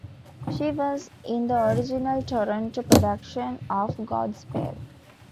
She was in the original Toronto production of "Godspell".